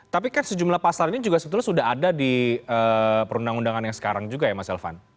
tapi kan sejumlah pasal ini juga sebetulnya sudah ada di perundang undangan yang sekarang juga ya mas elvan